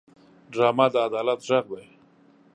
ډرامه د عدالت غږ دی